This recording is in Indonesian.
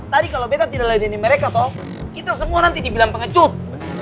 tadi kalo betta tidak ladainin mereka kita semua nanti dibilang pengecut